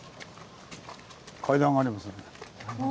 階段がありますね。